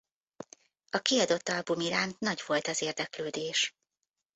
A kiadott album iránt nagy volt az érdeklődés.